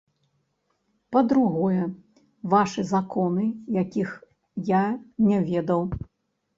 Па-другое, вашы законы, якіх я не ведаў.